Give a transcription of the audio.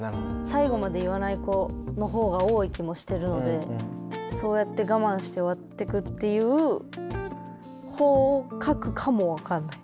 最後まで言わない子のほうが多い気もしてるのでそうやって我慢して終わってくっていうほうを描くかも分かんない。